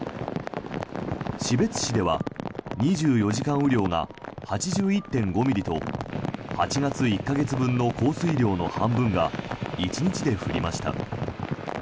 士別市では２４時間雨量が８１．５ミリと８月１か月分の降水量の半分が１日で降りました。